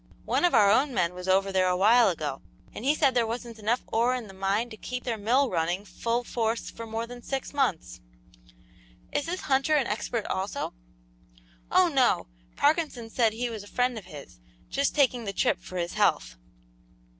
One of our own men was over there a while ago, and he said there wasn't enough ore in the mine to keep their mill running full force for more than six months." "Is this Hunter an expert also?" "Oh, no; Parkinson said he was a friend of his, just taking the trip for his health."